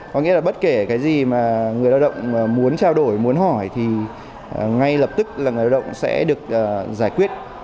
có nghĩa là bất kể cái gì mà người lao động muốn trao đổi muốn hỏi thì ngay lập tức là người lao động sẽ được giải quyết